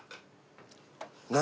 何？